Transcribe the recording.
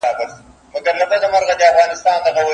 د بلبلو به دي صبر په ښه نه سي